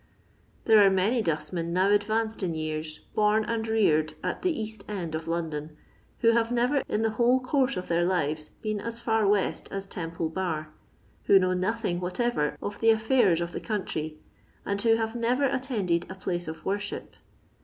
There are many dustmen now advanoed in years bom and reared at the Bast<end of London,' who have never in the whole oonrse of their Uvea been aa for west as Temple bar, who know nothing whatever of the afSuis of the country, and who have never attended a place of worship.